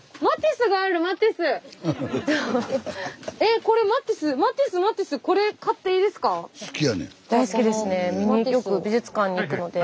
スタジオよく美術館に行くので。